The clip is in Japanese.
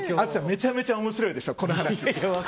めちゃめちゃ面白いでしょ。